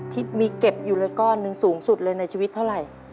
ที่มีเก็บอยู่เลยก้อนหนึ่งสูงสุดเลยในชีวิตเท่าไหร่